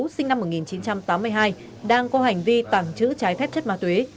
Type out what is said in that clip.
sinh năm một nghìn chín trăm tám mươi hai đang có hành vi tàng trữ trái phép chất ma túy